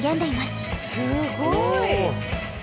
すっごい。